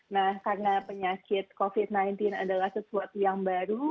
nah karena penyakit covid sembilan belas adalah sesuatu yang baru